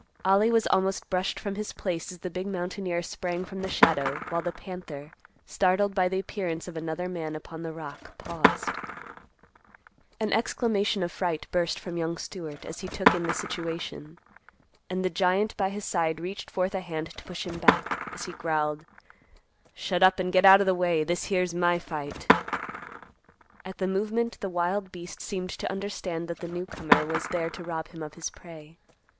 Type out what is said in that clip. _ Ollie was almost brushed from his place as the big mountaineer sprang from the shadow, while the panther, startled by the appearance of another man upon the rock, paused. An exclamation of fright burst from young Stewart, as he took in the situation. And the giant by his side reached forth a hand to push him back, as he growled, "Shut up and get out of the way! This here's my fight!" At the movement the wild beast seemed to understand that the newcomer was there to rob him of his prey.